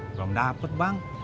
belum dapet bang